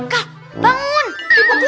kau bangun passed